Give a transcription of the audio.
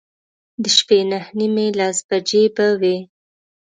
د شپې نهه نیمې، لس بجې به وې.